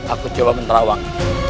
aku coba menerawang